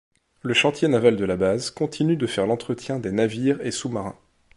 Le chantier naval de la base continue de faire l'entretien des navires et sous-marins.